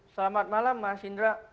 selamat malam mas indra